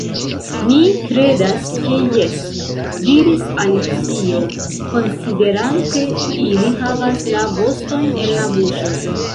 "Mi kredas ke jes," diris Alicio, konsiderante. "Ili havas la vostojn en la buŝoj. »